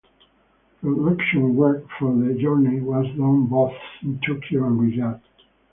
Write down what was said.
Production work for "The Journey" was done both in Tokyo and Riyadh.